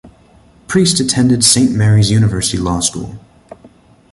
Priest attended Saint Mary's University Law School.